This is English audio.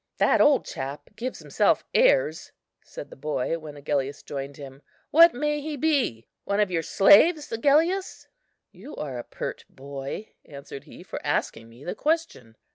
"That old chap gives himself airs," said the boy, when Agellius joined him; "what may he be? one of your slaves, Agellius?" "You're a pert boy," answered he, "for asking me the question."